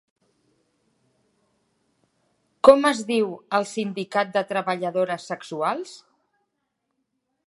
Com es diu el sindicat de treballadores sexuals?